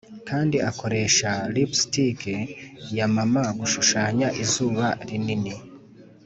kandi akoresha lipstick ya mama gushushanya izuba rinini